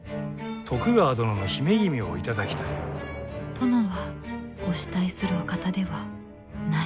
殿はお慕いするお方ではない。